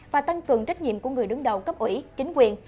và tăng cường trách nhiệm của người đứng đầu cấp ủy chính quyền